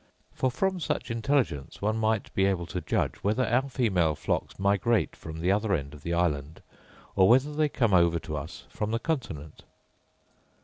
For, from such intelligence, one might be able to judge whether our female flocks migrate from the other end of the island, or whether they come over to us from the continent.